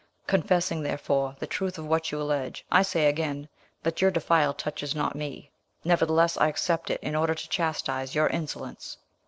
Confessing, therefore, the truth of what you allege, I say again, that your defial touches not me; nevertheless, I accept it in order to chastise your insolence."